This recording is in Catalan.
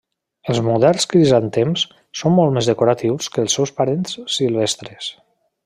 Els moderns crisantems són molt més decoratius que els seus parents silvestres.